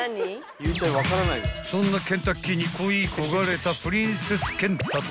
［そんなケンタッキーに恋い焦がれたプリンセスケンタと］